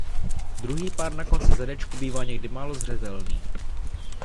Druhý pár na konci zadečku bývá někdy málo zřetelný.